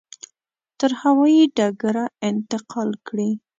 تر هوایي ډګره انتقال کړي.